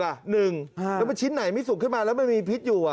แล้วมันชิ้นไหนไม่สุกขึ้นมาแล้วมันมีพิษอยู่